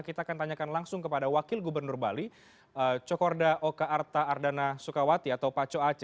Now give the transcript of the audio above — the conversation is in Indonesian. kita akan tanyakan langsung kepada wakil gubernur bali cokorda oka arta ardana sukawati atau pak coace